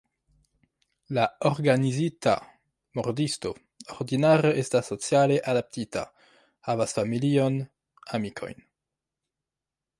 La organizita murdisto ordinare estas sociale adaptita, havas familion, amikojn.